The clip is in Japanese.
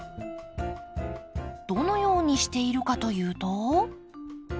どのようにしているかというと。